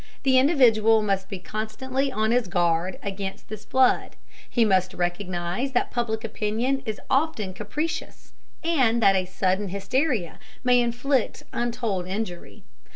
The individual must be constantly on his guard against this flood; he must recognize that Public Opinion is often capricious, and that a sudden hysteria may inflict untold injury.